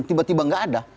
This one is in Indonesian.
tiba tiba tidak ada